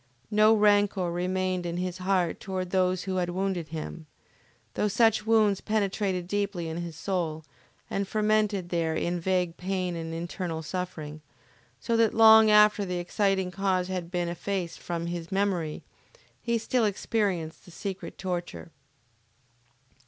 No rancor remained in his heart toward those who had wounded him, though such wounds penetrated deeply in his soul, and fermented there in vague pain and internal suffering, so that long after the exciting cause had been effaced from his memory, he still experienced the secret torture.